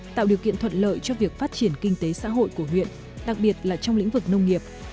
tạo điều kiện thuận lợi cho việc phát triển kinh tế xã hội của huyện đặc biệt là trong lĩnh vực nông nghiệp